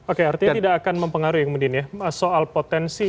oke artinya tidak akan mempengaruhi yang medin ya soal potensi